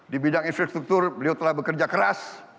di bidang infrastruktur beliau telah bekerja keras